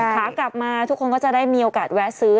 ขากลับมาทุกคนก็จะได้มีโอกาสแวะซื้อ